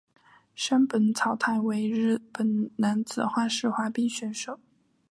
山本草太为日本男子花式滑冰选手。